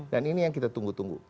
jadi kita tunggu tunggu